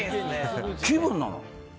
気分なの。